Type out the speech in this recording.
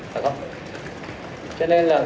phải không cho nên là